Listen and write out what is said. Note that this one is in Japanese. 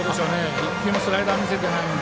１球もスライダー見せてないので。